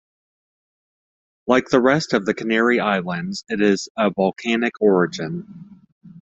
Like the rest of the Canary Islands, it is of volcanic origin.